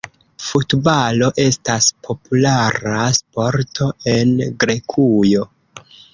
Futbalo estas populara sporto en Grekujo.